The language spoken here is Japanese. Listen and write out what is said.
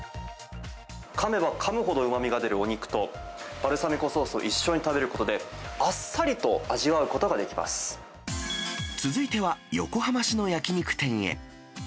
かめばかむほどうまみが出るお肉と、バルサミコソースを一緒に食べることで、続いては、横浜市の焼き肉店へ。